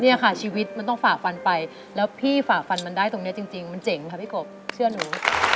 เนี่ยค่ะชีวิตมันต้องฝ่าฟันไปแล้วพี่ฝ่าฟันมันได้ตรงนี้จริงมันเจ๋งค่ะพี่กบเชื่อหนู